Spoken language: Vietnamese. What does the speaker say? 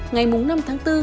ngày bốn năm tháng